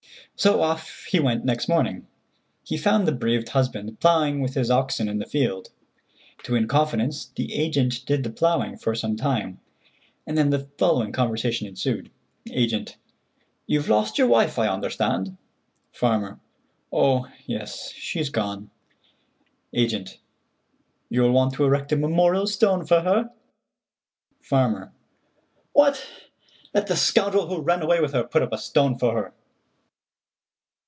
So off he went next morning. He found the bereaved husband plowing with his oxen in the field. To win confidence the agent did the plowing for some time, and then the following conversation ensued: Agent: "You've lost your wife, I understand?" Farmer: "Oh, yes, she's gone." Agent: "You'll want to erect a memorial stone for her?" Farmer: "What! Let the scoundrel who ran away with her put up a stone for her."